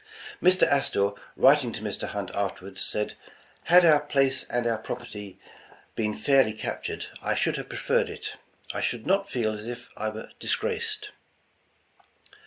Mr. Astor, writing to Mr. Hunt afterward, said, "Had our place and our property been fairly captured, I should have preferred it. I should not feel as if I were disgraced."